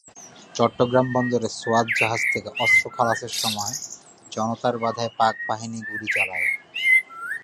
চট্টগ্রাম বন্দরে সোয়াত জাহাজ থেকে অস্ত্র খালাসের সময় জনতার বাধায় পাকবাহিনী গুলি চালায়।